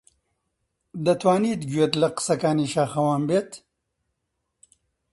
دەتوانیت گوێت لە قسەکانی شاخەوان بێت؟